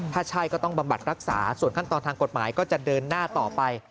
ถ้าใช่ก็ต้องบำบัดรักษาส่วนขั้นตอนทางกฎหมายก็จะเดินหน้าต่อไป